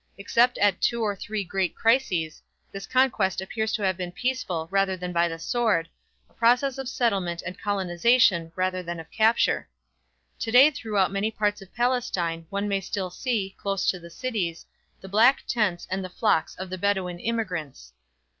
Except at two or three great crises, this conquest appears to have been peaceful rather than by the sword, a process of settlement and colonization rather than of capture. Today throughout many parts of Palestine one may still see, close to the cities, the black tents and the flocks of the Bedouin immigrants.